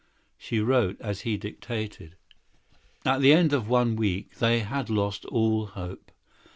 She wrote at his dictation. At the end of a week they had lost all hope.